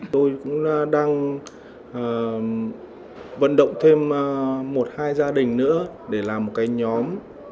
tôi cũng đang vận động thêm một hai gia đình nữa để làm một cái nhóm